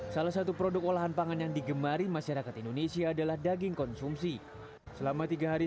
salah satu produk olahan pangan yang digemari masyarakat indonesia adalah daging konsumsi